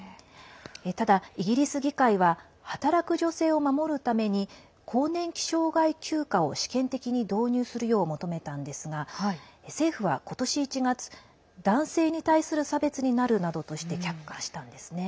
ただ、イギリス議会は働く女性を守るために更年期障害休暇を試験的に導入するよう求めたんですが政府は今年１月、男性に対する差別になるなどとして却下したんですね。